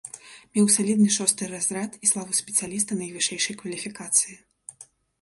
Меў салідны шосты разрад і славу спецыяліста найвышэйшай кваліфікацыі.